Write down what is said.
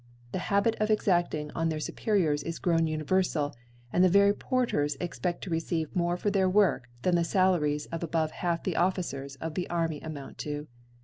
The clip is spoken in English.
The (labit of exacting oti their Supetiors is grown univerfal, and ihe very Porters exped to receive mwe for their. Work than the Salaries of above Half the Officers of the Army amoufitto.